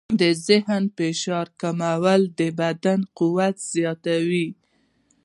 د ذهني فشار کمول د بدن قوت زیاتوي.